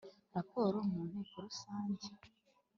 raporo mu nteko rusange